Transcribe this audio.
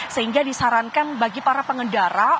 sehingga disarankan bagi para pengendara